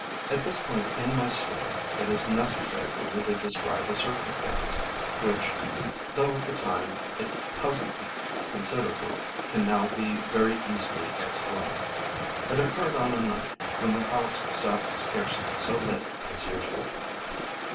At this point in my story it is necessary for me to describe a circumstance, which, though at the time it puzzled me considerably, can now be very easily explained. It occurred on a night when the House sat scarcely so late as usual.